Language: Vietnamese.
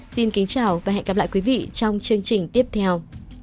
xin kính chào và hẹn gặp lại quý vị trong chương trình tiếp theo